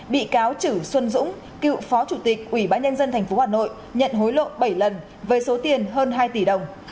bị cáo trần văn tân cựu phó chủ tịch ubnd tp hà nội nhận hối lộ bảy lần với số tiền hơn hai tỷ đồng